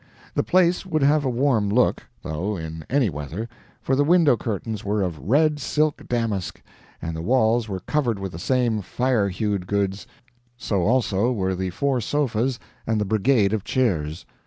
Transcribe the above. The place would have a warm look, though, in any weather, for the window curtains were of red silk damask, and the walls were covered with the same fire hued goods so, also, were the four sofas and the brigade of chairs.